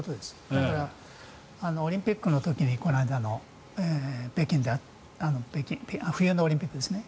だから、オリンピックの時にこの間の北京で冬のオリンピックですね。